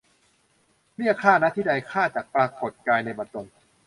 เรียกข้า ณ ที่ใด ข้าจักปรากฎกายในบัดดล